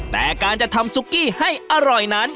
แต่การจะทำซุกี้ให้อร่อยนั้น